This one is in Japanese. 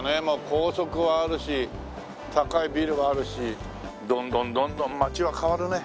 高速はあるし高いビルはあるしどんどんどんどん街は変わるね。